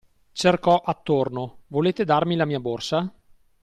Cercò attorno: Volete darmi la mia borsa?